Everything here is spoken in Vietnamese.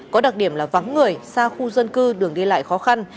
có đặc điểm là vắng người xa khu dân cư đường đi lại khó khăn